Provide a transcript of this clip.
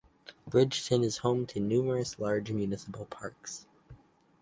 Bridgeton is home to numerous large municipal parks.